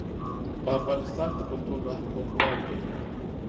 په افغانستان کې کلتور د هر قوم ویاړ دی.